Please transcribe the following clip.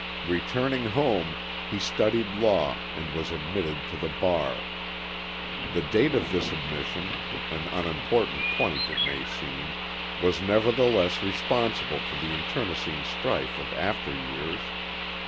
Returning home, he studied law and was admitted to the bar. The date of this admission, an unimportant point it may seem, was nevertheless responsible for the internecine strife of after years.